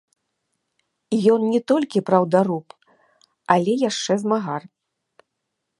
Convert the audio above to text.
Ён не толькі праўдаруб, але яшчэ змагар.